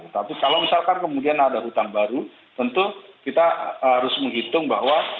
tapi kalau misalkan kemudian ada hutang baru tentu kita harus menghitung bahwa